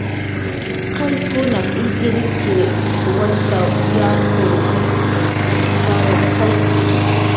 "Qayllkunaq illkirillkir waytw yapup""n sawarqayki."